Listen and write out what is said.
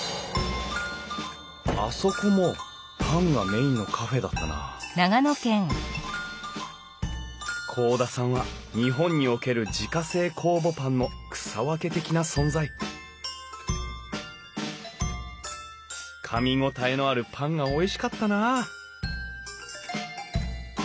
あそこもパンがメインのカフェだったな甲田さんは日本における自家製酵母パンの草分け的な存在かみ応えのあるパンがおいしかったなあ